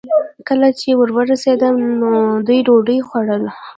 کله چې ور ورسېدم، نو دوی ډوډۍ خوړه.